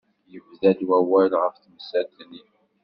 Yebda-d awal ɣef temsalt-nni.